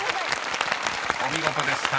お見事でした］